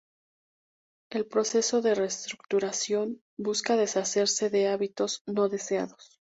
El proceso de reestructuración busca deshacerse de hábitos no deseados.